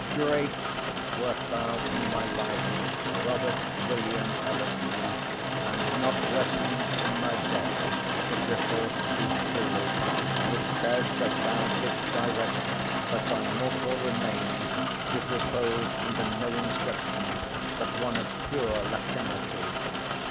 Great wert thou in thy life, Robert William Elliston! and not lessened in thy death, if report speak truly, which says that thou didst direct that thy mortal remains should repose under no inscription but one of pure Latinity.